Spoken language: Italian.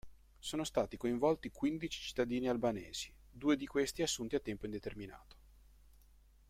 Sono stati coinvolti quindici cittadini albanesi, due di questi assunti a tempo indeterminato.